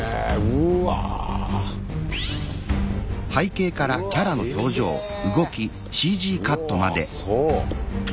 うわそう！